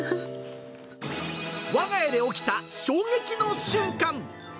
わが家で起きた衝撃の瞬間。